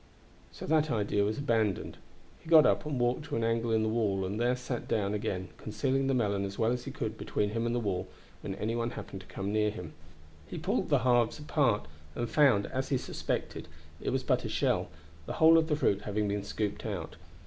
So that idea was abandoned. He got up and walked to an angle in the wall, and there sat down again, concealing the melon as well as he could between him and the wall when any one happened to come near him. He pulled the halves apart and found, as he had suspected, it was but a shell, the whole of the fruit having been scooped out.